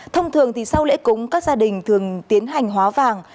thông thường thì sau lễ cúng các gia đình thường tiến hành hóa vàng